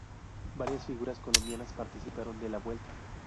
Varias figuras colombianas participaron de la Vuelta.